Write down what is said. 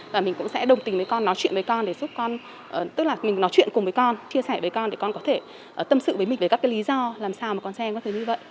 và mình cũng sẽ đồng tình với con nói chuyện với con để giúp con tức là mình nói chuyện cùng với con chia sẻ với con để con có thể tâm sự với mình về các cái lý do làm sao mà con xem có thể như vậy